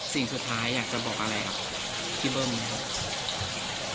สิ่งสุดท้ายอยากจะบอกอะไรกับพี่เบิ้มไหมครับ